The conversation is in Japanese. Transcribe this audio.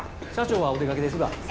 社長はお出かけですが。